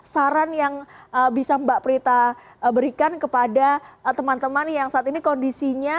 saran yang bisa mbak prita berikan kepada teman teman yang saat ini kondisinya